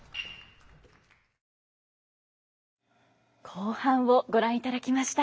後半をご覧いただきました。